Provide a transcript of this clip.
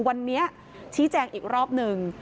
วันนี้ชี้แจงอีกรอบหนึ่ง